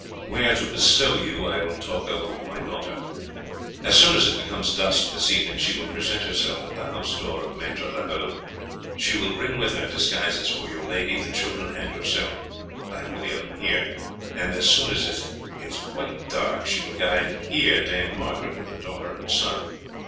Where to bestow you I will talk over with my daughter. As soon as it becomes dusk this evening she will present herself at the house door of Maître Leroux. She will bring with her disguises for your lady, the children, and yourself I have many of them here and as soon as it is quite dark she will guide here Dame Margaret with her daughter and son.